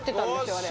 あれ